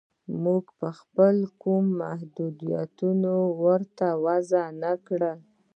موږ چې خپله کوم محدودیت ورته وضع نه کړو